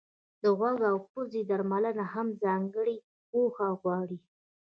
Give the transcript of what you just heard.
د غوږ او پزې درملنه هم ځانګړې پوهه غواړي.